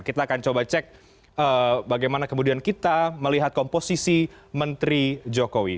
kita akan coba cek bagaimana kemudian kita melihat komposisi menteri jokowi